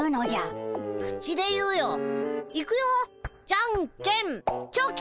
じゃんけんチョキ！